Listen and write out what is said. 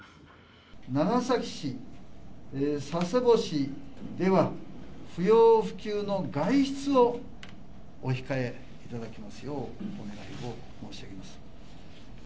長崎市、佐世保市では、不要不急の外出をお控えいただきますようお願いを申し上げます。